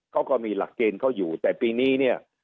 เขาก็มีหลักเกณฑ์เขาอยู่แต่ปีนี้เนี่ย